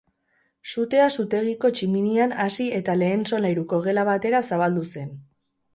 Sutea sutegiko tximinian hasi eta lehen solairuko gela batera zabaldu zen.